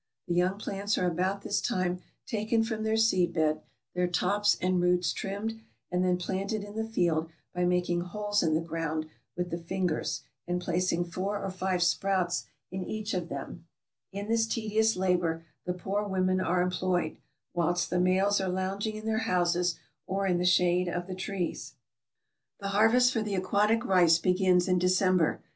The young plants are about this time taken from the seed bed, their tops and roots trimmed, and then planted in the field by making holes in the ground with the fingers and placing four or five sprouts in each of them ; in this tedious labor the poor women are employed, whilst the males are lounging in their houses or in the shade of the trees. 400 TRAVELERS AND EXPLORERS The harvest for the aquatic rice begins in December.